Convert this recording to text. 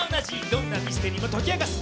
どんなミステリーも解き明かす。